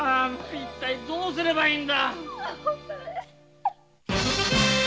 一体どうすればいいんだ